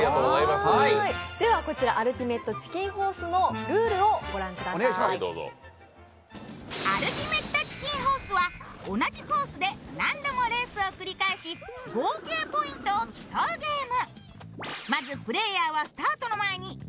こちら「アルティメットチキンホース」のルールをご覧ください「アルティメットチキンホース」は、同じコースで何度もレースを繰り返し、合計ポイントを競うゲーム。